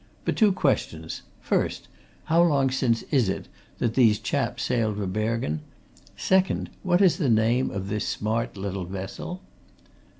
But two questions first, how long since is it that these chaps sailed for Bergen; second, what is the name of this smart little vessel?"